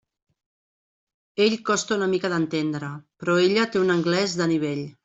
Ell costa una mica d'entendre, però ella té un anglès de nivell.